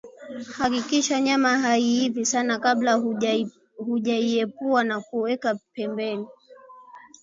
Hakikisha nyama haiivi sana kabla hujaiepua na kuweka pembeni